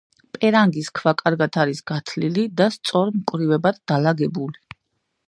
პერანგის ქვა კარგად არის გათლილი და სწორ მწკრივებად დალაგებული.